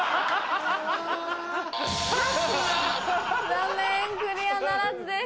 残念クリアならずです。